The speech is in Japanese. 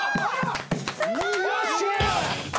よっしゃ！